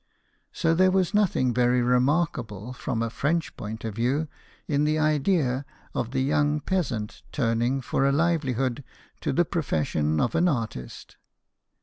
So there was nothing very remarkable, from a French point of view, in the idea of the young peasant turning for a livelihood to the profession of an artist.